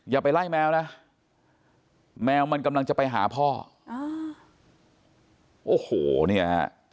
อย่าไปไล่แมวนะแมวมันกำลังจะไปหาพ่ออ่าโอ้โหเนี่ยฮะ